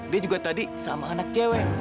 dia juga tadi sama anak cewek